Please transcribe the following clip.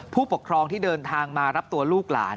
ผู้ปกครองที่เดินทางมารับตัวลูกหลาน